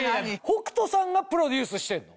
北斗さんがプロデュースしてんの？